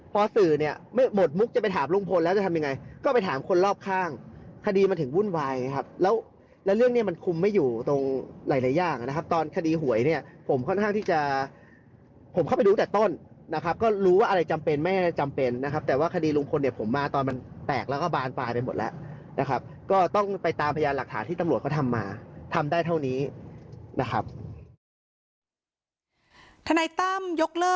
เพราะสื่อเนี้ยไม่หมดมุกจะไปถามลุงพลแล้วจะทำยังไงก็ไปถามคนรอบข้างคดีมันถึงวุ่นวายนะครับแล้วแล้วเรื่องเนี้ยมันคุมไม่อยู่ตรงหลายหลายอย่างนะครับตอนคดีหวยเนี้ยผมค่อนข้างที่จะผมเข้าไปดูแต่ต้นนะครับก็รู้ว่าอะไรจำเป็นไม่ให้จำเป็นนะครับแต่ว่าคดีลุงพลเนี้ยผมมาตอนมันแตกแล้วก็บานปลายเป็นหมดแล้วนะคร